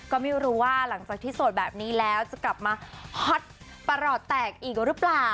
ก็ไม่รู้ว่าหลังจากที่โสดแบบนี้แล้วจะกลับมาฮอตประหลอดแตกอีกหรือเปล่า